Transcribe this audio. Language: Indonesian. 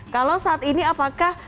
kalau saat ini apakah